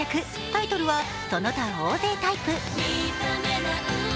タイトルは「その他大勢タイプ」。